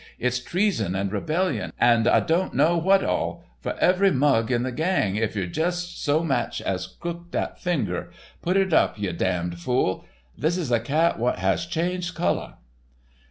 It's treason and rebellion, and I don't now what all, for every mug in the gang, if yer just so much as crook dat forefinger. Put it up, ye damned fool. This is a cat w'at has changed colour."